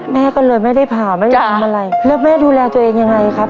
แม่ก็เลยไม่ได้ผ่าไม่ได้ทำอะไรแล้วแม่ดูแลตัวเองยังไงครับ